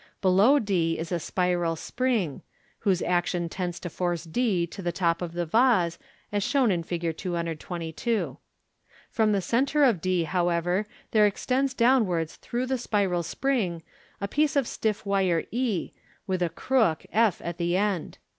Below d is a spiral spring, whose action tends to force d to the top of the vase, as shown in Fig. 222. From the centre of d, however, there extends downwards through the spiral 39<> MODERN MAGIC. spring a piece of stiff wire e, with a crook, /, at the end.